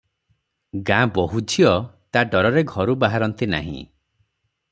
ଗାଁ ବୋହୂ ଝିଅ ତା ଡରରେ ଘରୁ ବାହାରନ୍ତି ନାହିଁ ।